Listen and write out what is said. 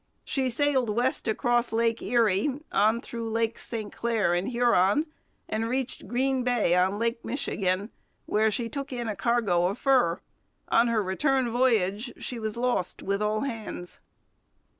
She sailed west across Lake Erie, on through Lakes St Clair and Huron, and reached Green Bay on Lake Michigan, where she took in a cargo of fur. On her return voyage she was lost with all hands.